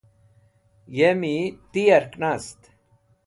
yemi ti yark nast